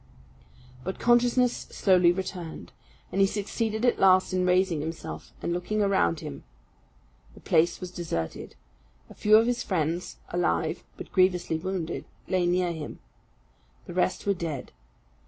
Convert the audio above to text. But consciousness slowly returned, and he succeeded at last in raising himself and looking around him. The place was deserted. A few of his friends, alive, but grievously wounded, lay near him. The rest were dead.